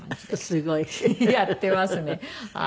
すごい。やっていますねなんか。